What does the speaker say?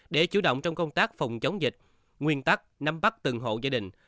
để chủ động trong công tác phòng chống dịch nguyên tắc nắm bắt từng hộ gia đình